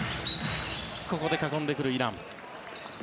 ここで囲んでくるイラン。